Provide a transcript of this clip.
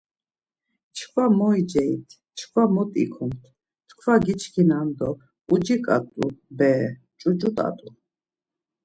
Çkva moicerit, çkva mot ikomt, tkva giçkinan do, uciǩo t̆u bere, ç̌uç̌ut̆a t̆u.